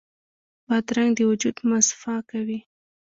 بادرنګ د وجود مصفا کوي.